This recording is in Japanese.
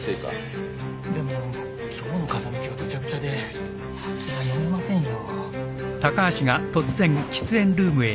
でも今日の風向きはぐちゃぐちゃで先が読めませんよ。